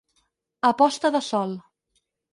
A posta de sol.